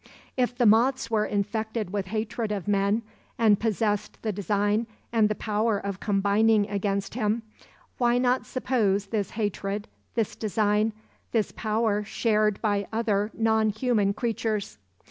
If the moths were infected with hatred of men, and possessed the design and the power of combining against him; why not suppose this hatred, this design, this power shared by other non human creatures.